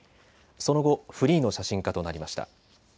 その後フリーの写真家となりました。